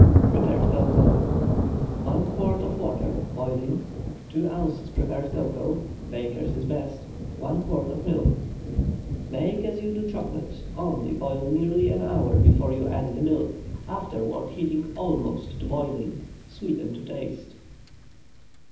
PREPARED COCOA. ✠ 1 quart of water, boiling. 2 ozs. prepared cocoa—Baker's is best. 1 quart of milk. Make as you do chocolate—only boil nearly an hour before you add the milk, afterward heating almost to boiling. Sweeten to taste.